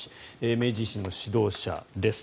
明治維新の指導者です。